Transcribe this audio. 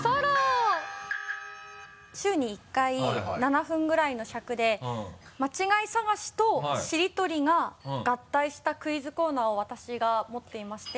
週に１回７分ぐらいの尺で間違い探しとしりとりが合体したクイズコーナーを私が持っていまして。